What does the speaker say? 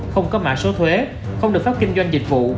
không có mạ số thuế không được pháp kinh doanh dịch vụ